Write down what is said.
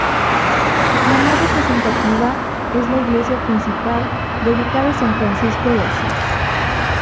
La más representativa es la iglesia principal dedicada a San Francisco de Asís.